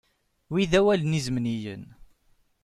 Wi d awalen izemniyen.